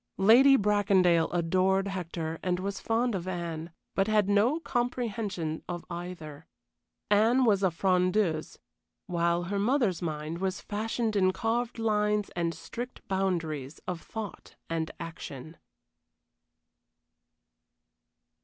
Lady Bracondale adored Hector and was fond of Anne, but had no comprehension of either. Anne was a frondeuse, while her mother's mind was fashioned in carved lines and strict boundaries of thought and action.